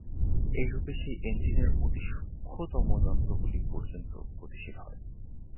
এইরূপে সেই এঞ্জিনের অতি সূক্ষ্মতম যন্ত্রগুলি পর্যন্ত গতিশীল হয়।